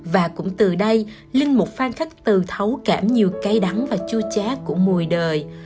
và cũng từ đây linh mục phan khắc từ thấu cảm nhiều cay đắng và chu chát của mùi đời